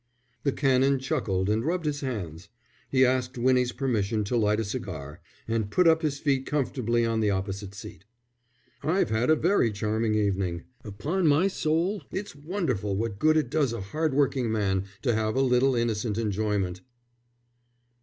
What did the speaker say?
The Canon chuckled and rubbed his hands. He asked Winnie's permission to light a cigar, and put up his feet comfortably on the opposite seat. "I've had a very charming evening. Upon my soul, it's wonderful what good it does a hard working man to have a little innocent enjoyment."